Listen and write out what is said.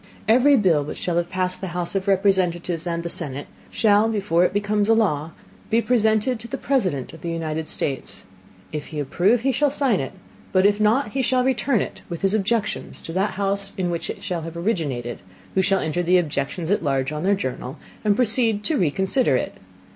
Every Bill which shall have passed the House of Representatives and the Senate, shall, before it become a Law, be presented to the President of the United States; If he approve he shall sign it, but if not he shall return it, with his Objections to that House in which it shall have originated, who shall enter the Objections at large on their Journal, and proceed to reconsider it.